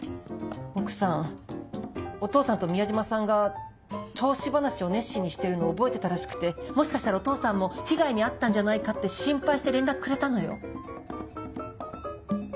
奥さんお父さんと宮島さんが投資話を熱心にしてるのを覚えてたらしくてもしかしたらお父さんも被害に遭ったんじゃないかって心配して連絡くれたのよ？